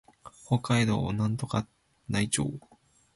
北海道幌加内町